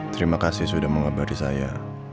terima kasih sudah mengabadi saya